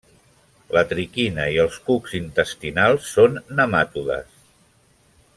La triquina i els cucs intestinals són nematodes.